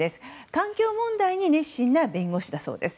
環境問題に熱心な弁護士だそうです。